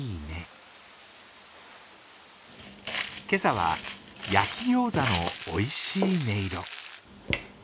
今朝は焼き餃子のおいしい音色。